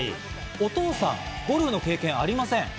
お父さんはゴルフの経験ありません。